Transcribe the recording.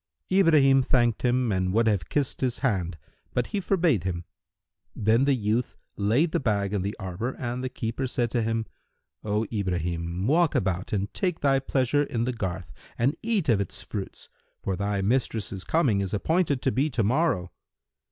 Ibrahim thanked him and would have kissed his hand, but he forbade him. Then the youth laid the bag in the arbour and the keeper said to him, "O Ibrahim, walk about and take thy pleasure in the garth and eat of its fruits, for thy mistress's coming is appointed to be to morrow."